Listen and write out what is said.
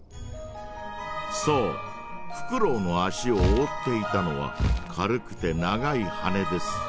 そうフクロウの足をおおっていたのは軽くて長いはねです。